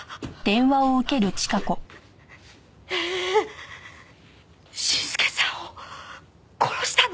えっ伸介さんを殺したの！？